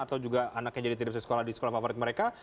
atau juga anaknya jadi tidak bisa sekolah di sekolah favorit mereka